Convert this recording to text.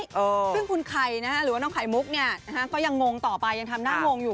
เพราะคุณไข่หรือว่าน้องไข่มุกก็ยังงงต่อไปยังทำหน้างงอยู่